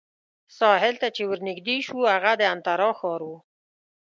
ساحل ته چې ورنژدې شوو، هغه د انترا ښار وو.